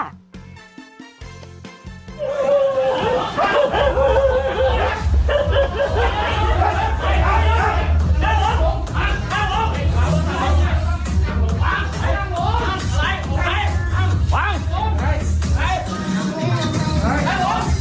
เฮ้ยเห็นเห็น